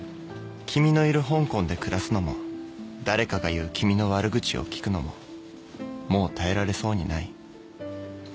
「君のいる香港で暮らすのも誰かが言う君の悪口を聞くのももう耐えられそうにない」